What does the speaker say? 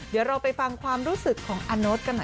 เดี๋ยวเราไปฟังความรู้สึกของอาโน๊ตกันหน่อย